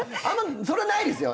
それないですよ。